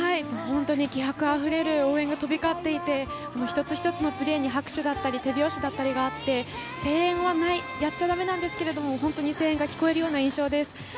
本当に気迫あふれる応援が飛び交っていて一つ一つのプレーに拍手だったり、手拍子だったりがあって声援はやっちゃ駄目なんですが、本当に声援が聞こえるような印象です。